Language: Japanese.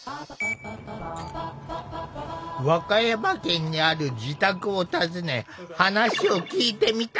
和歌山県にある自宅を訪ね話を聞いてみた。